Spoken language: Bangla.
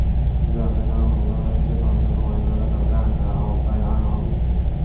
যাঁদের নামে মামলা হয়েছে, তদন্তে প্রমাণিত হলে তাঁদের আইনের আওতায় আনা হবে।